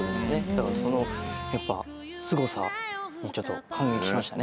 だからそのやっぱすごさに感激しましたね。